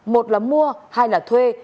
một là mua hai là thuê